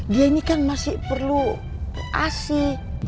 dia ini kan masih perlu asi